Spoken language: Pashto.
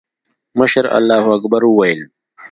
مشر الله اکبر وويل.